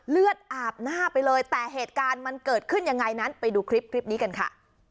เลือดอาบหน้าไปเลยแต่เหตุการณ์มันเกิดขึ้นยังไงนั้นไปดูคลิปคลิปนี้กันค่ะ